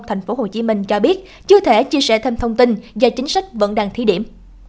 tp hcm cho biết chưa thể chia sẻ thêm thông tin do chính sách vẫn đang thí điểm